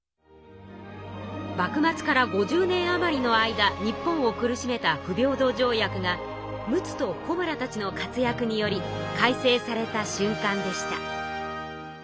幕末から５０年余りの間日本を苦しめた不平等条約が陸奥と小村たちの活躍により改正されたしゅんかんでした。